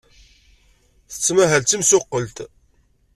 Tettmahal d timsuqqelt.